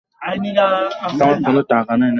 সুতরাং তুমি তোমার কাজ কর, আমরা আমাদের কাজ করি।